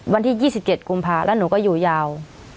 วันที่๒๗กุมภาแล้วหนูก็อยู่ยาว